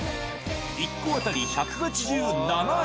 １個当たり１８７円。